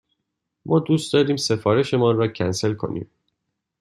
ما دوست داریم سفارش مان را کنسل کنیم.